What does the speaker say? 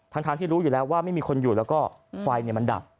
ทั้งที่รู้อยู่แล้วว่าไม่มีคนอยู่แล้วก็ไฟมันดับ